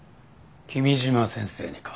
君嶋先生にか？